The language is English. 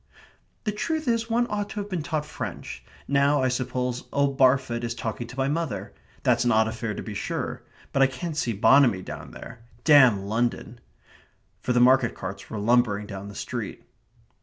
("The truth is one ought to have been taught French. Now, I suppose, old Barfoot is talking to my mother. That's an odd affair to be sure. But I can't see Bonamy down there. Damn London!") for the market carts were lumbering down the street.